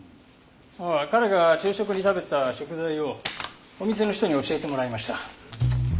ああ彼が昼食に食べた食材をお店の人に教えてもらいました。